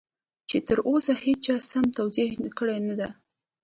چې تر اوسه هېچا سم توضيح کړی نه دی.